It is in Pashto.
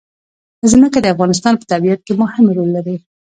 ځمکه د افغانستان په طبیعت کې مهم رول لري.